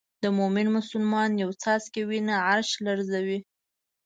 د مومن مسلمان یو څاڅکی وینه عرش لړزوي.